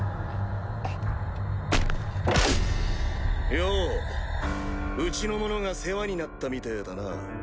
よぉうちの者が世話になったみてぇだな。